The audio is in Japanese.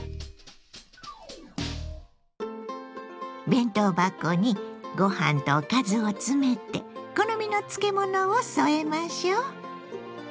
弁当箱にご飯とおかずを詰めて好みの漬物を添えましょう。